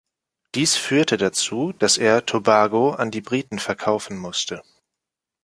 Dies führte dazu, dass er Tobago an die Briten verkaufen musste.